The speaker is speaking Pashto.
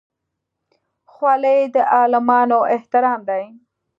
خولۍ د عالمانو احترام دی.